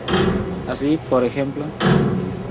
Así, por ej.